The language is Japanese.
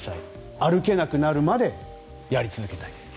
歩けなくなるまでやり続けたい。